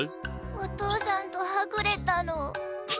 おとうさんとはぐれたの。